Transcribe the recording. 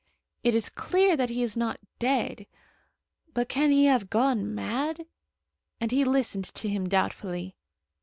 "It is clear that he is not dead; but can he have gone mad?" and he listened to him doubtfully.